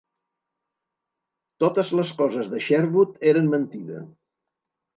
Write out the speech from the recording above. Totes les coses de Sherwood eren mentida.